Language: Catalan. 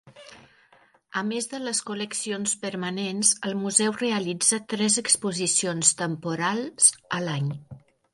A més de les col·leccions permanents, el museu realitza tres exposicions temporals a l'any.